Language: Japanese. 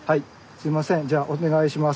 すいませんじゃあお願いします。